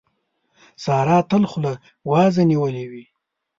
سارا تل خوله وازه نيولې وي.